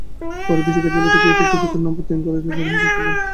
পরে কৃষি কার্যালয় থেকে এসব কৃষকের নামে প্রত্যয়নপত্র নিয়ে ব্যাংক হিসাব খোলেন।